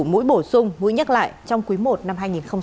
mũi bổ sung mũi nhắc lại trong quý i năm hai nghìn hai mươi bốn